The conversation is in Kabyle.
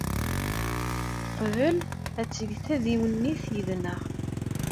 Teqbel ad teg tadiwennit yid-neɣ.